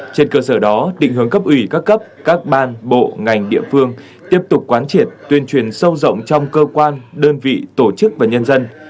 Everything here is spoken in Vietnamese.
trên cơ sở đó định hướng cấp ủy các cấp các ban bộ ngành địa phương tiếp tục quán triệt tuyên truyền sâu rộng trong cơ quan đơn vị tổ chức và nhân dân